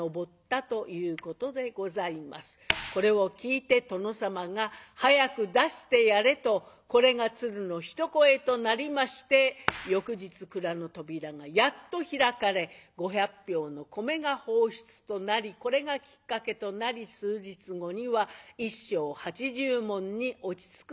これを聞いて殿様が「早く出してやれ」とこれが鶴の一声となりまして翌日蔵の扉がやっと開かれ５００俵の米が放出となりこれがきっかけとなり数日後には１升８０文に落ち着くことができるようになりました。